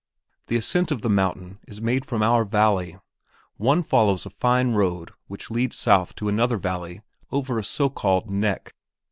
The ascent of the mountain is made from our valley. One follows a fine road which leads south to another valley over a so called "neck."